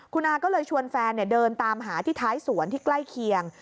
คุณอาก็เลยชวนแฟนเดินตามหาที่ท้ายสวนที่ใกล้เคียง